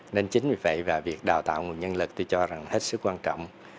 nên chính vì vậy và việc đào tạo nguồn nhân lực tôi cho rằng hết sức quan trọng